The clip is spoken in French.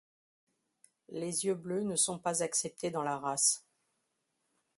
Les yeux bleus ne sont pas acceptés dans la race.